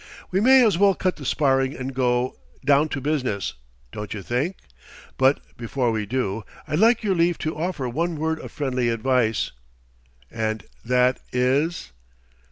We may as well cut the sparring and go, down to business don't you think? But before we do, I'd like your leave to offer one word of friendly advice." "And that is